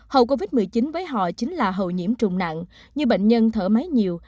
hậu covid một mươi chín với họ chính là hầu nhiễm trùng nặng như bệnh nhân thở máy nhiều